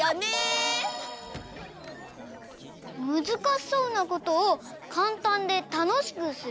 むずかしそうなことをかんたんでたのしくする？